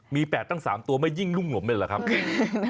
มี๘ตั้ง๓ตัวไม่ยิ่งรุ่งหมเลยเหรอครับ